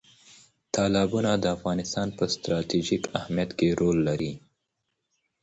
تالابونه د افغانستان په ستراتیژیک اهمیت کې رول لري.